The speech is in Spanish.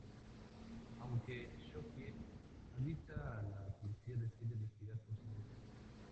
Aunque Sookie avisa a la policía, decide investigar por sí misma.